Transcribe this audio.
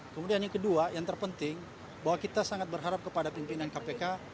kemudian yang kedua yang terpenting bahwa kita sangat berharap kepada pimpinan kpk